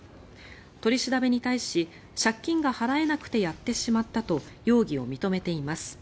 取り調べに対し借金が払えなくてやってしまったと容疑を認めています。